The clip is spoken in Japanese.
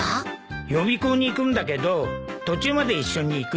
予備校に行くんだけど途中まで一緒に行く？